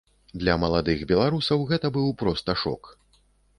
Для маладых беларусаў гэта быў проста шок.